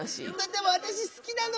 でも好きなの。